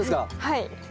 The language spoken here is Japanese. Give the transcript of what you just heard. はい。